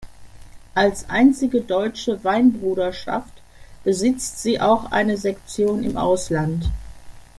Als einzige deutsche Weinbruderschaft besitzt sie auch eine Sektion im Ausland.